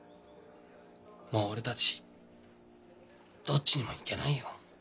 もう俺たちどっちにも行けないよ。